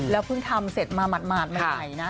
เพิ่งทำเสร็จมาหมาดใหม่นะ